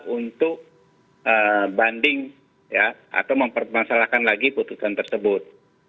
untuk banding atau mempermasalahkan lagi putusan tersebut